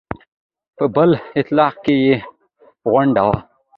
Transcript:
په بل اطاق کې یې غونډه وه.